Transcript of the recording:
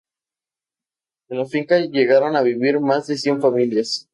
En la finca llegaron a vivir más de cien familias.